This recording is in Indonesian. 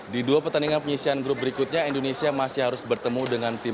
di dua pertandingan penyisian grup berikutnya indonesia masih harus bertemu dengan tim